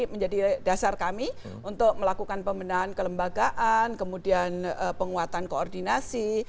menjadi dasar kami untuk melakukan pembinaan kelembagaan kemudian penguatan koordinasi